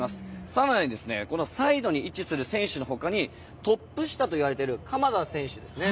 更に、このサイドに位置する選手の他にトップ下といわれている鎌田選手ですね。